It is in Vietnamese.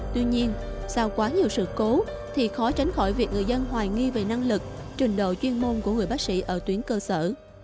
tuy nhiên sau quá nhiều sự cố thì khó tránh khỏi việc người dân hoài nghi về năng lực trình độ chuyên môn của người bác sĩ ở tuyến cơ sở